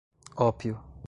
ópio